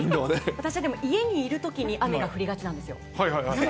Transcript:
私でも、家にいるときに雨が降りがちなので、なので。